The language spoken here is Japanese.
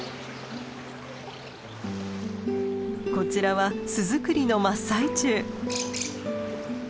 こちらは巣作りの真っ最中。